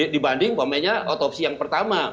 dibanding otopsi yang pertama